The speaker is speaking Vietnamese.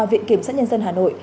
viện kiểm soát nhân dân hà nội